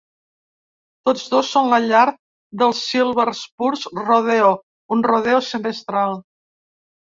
Tots dos són la llar dels Silver Spurs Rodeo, un rodeo semestral.